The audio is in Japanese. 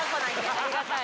ありがたい。